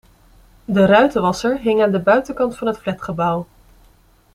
De ruitenwasser hing aan de buitenkant van het flatgebouw.